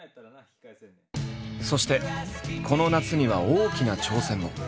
そしてこの夏には大きな挑戦も。